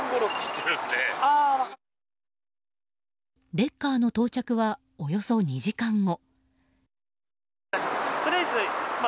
レッカーの到着はおよそ２時間後。